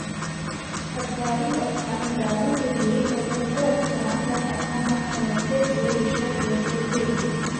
پٹواری اورتھانیداروں سے لے کر اوپر افسران تک اپنا حق سمجھتے ہوئے رشوت لیتے تھے۔